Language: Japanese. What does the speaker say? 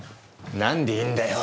何でいるんだよ？